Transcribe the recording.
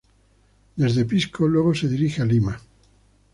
Desde Pisco luego se dirige a Lima.